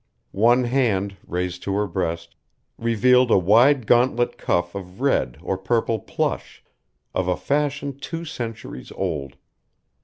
One hand, raised to her breast, revealed a wide gauntlet cuff of red or purple plush, of a fashion two centuries old.